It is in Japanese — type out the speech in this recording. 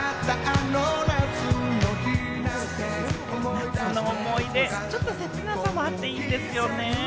『夏の思い出』、ちょっと切なさもあっていいですよね。